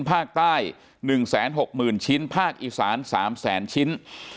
ภาคใต้๑๖๐๐๐ชิ้นภาคอีสาน๓แสนชิ้น